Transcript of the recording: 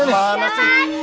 dia kawin bapak bukan copet